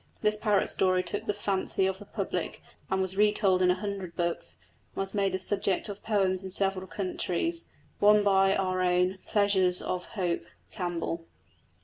This parrot story took the fancy of the public and was re told in a hundred books, and was made the subject of poems in several countries one by our own "Pleasures of Hope" Campbell.